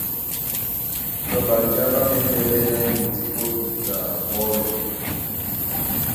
Tɔ ɓanjá ɓá māndɛɛ́ ɓɛ́nɛ ŋgudi ó duta ɓɔ́lɔ,